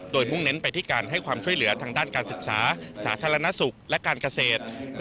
โดยมุ่งเน้นไปที่การให้ความช่วยเหลือทางด้านการศึกษาสาธารณสุขและการเกษตร